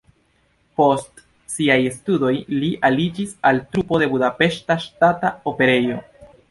Post siaj studoj li aliĝis al trupo de Budapeŝta Ŝtata Operejo.